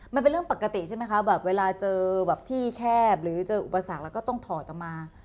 มันเป็นเรื่องปกติใช่ไหมคะแบบเวลาเจอแบบที่แคบหรือเจออุปสรรคแล้วก็ต้องถอดออกมา